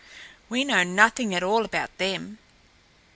We know nothing at all about them.